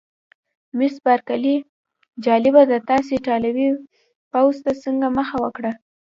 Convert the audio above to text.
مس بارکلي: جالبه ده، تاسي ایټالوي پوځ ته څنګه مخه وکړه؟